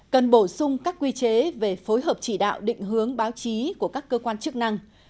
cần bổ sung các quy chế về phối hợp chỉ đạo định hướng báo chí của các cơ quan chức năng